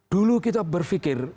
dulu kita berpikir